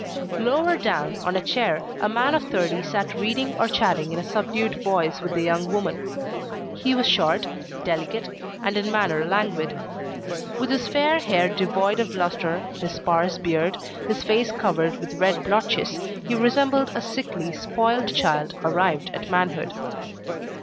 Lower down, on a chair, a man of thirty sat reading or chatting in a subdued voice with the young woman. He was short, delicate, and in manner languid. With his fair hair devoid of lustre, his sparse beard, his face covered with red blotches, he resembled a sickly, spoilt child arrived at manhood.